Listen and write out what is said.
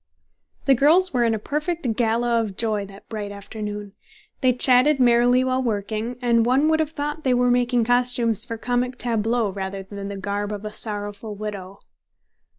The girls were in a perfect gala of joy that bright afternoon. They chatted merrily while working, and one would have thought they were making costumes for comic tableaux rather than the garb of a sorrowful widow.